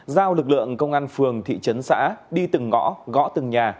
giao lực lượng công an phường thị trấn xã đi từng ngõ gõ từng nhà